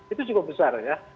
itu cukup besar ya